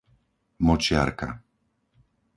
Močiarka